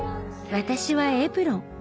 私はエプロン。